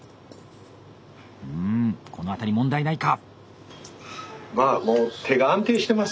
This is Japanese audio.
うんこの辺り問題ないか。